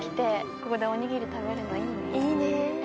ここでおにぎり食べるの、いいね。